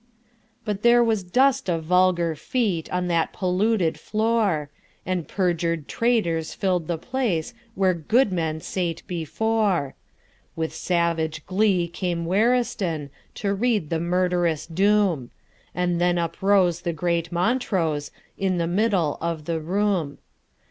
But there was dust of vulgar feetOn that polluted floor, And perju'd traitors fill'd the placeWhere good men sate before. With savage glee came WarristounTo read the murderous doom; And then uprose the great MontroseIn the middle of the room.